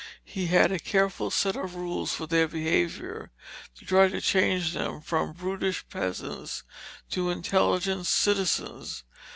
He had a careful set of rules for their behavior, to try to change them from brutish peasants to intelligent citizens.